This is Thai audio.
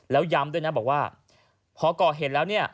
แล้วย้ำด้วยนะบอกว่าพอก่อเหตุแล้วเนี่ย